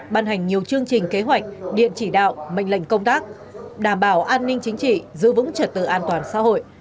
ban hành nhiều chương trình kế hoạch điện chỉ đạo mệnh lệnh công tác đảm bảo an ninh chính trị giữ vững trật tự an toàn xã hội